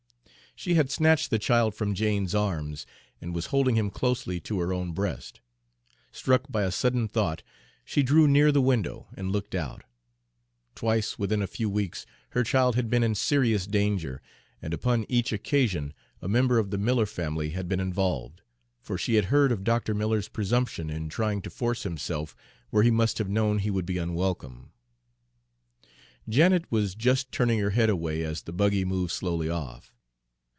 She had snatched the child from Jane's arms, and was holding him closely to her own breast. Struck by a sudden thought, she drew near the window and looked out. Twice within a few weeks her child had been in serious danger, and upon each occasion a member of the Miller family had been involved, for she had heard of Dr. Miller's presumption in trying to force himself where he must have known he would be unwelcome. Janet was just turning her head away as the buggy moved slowly off.